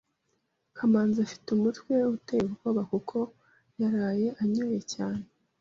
Kamanzi afite umutwe uteye ubwoba kuko yaraye anyoye cyane.